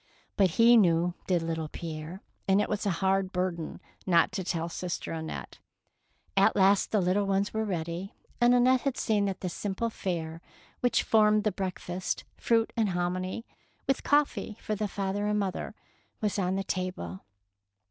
But he knew, did little Pierre, and it was a hard burden not to tell sister Annette. At last the little ones were ready, and Annette had seen that the simple fare which formed the break fast — fruit and hominy, with coffee for the father and mother — was on the table.